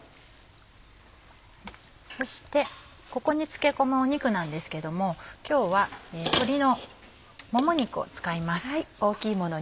そしてここに漬け込む肉なんですけども今日は鶏のもも肉を使います。